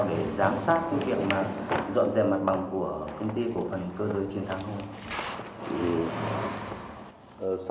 để giám sát cái việc mà dọn dẹp mặt bằng của công ty cổ phần cơ giới chiến thắng